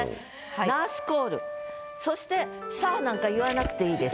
「ナースコール」そして「さぁ！」なんか言わなくていいです。